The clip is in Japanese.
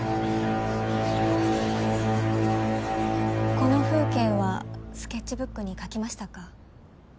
この風景はスケッチブックに描きましたか？